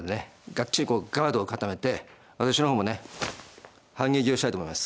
がっちりこうガードを固めて私の方もね反撃をしたいと思います。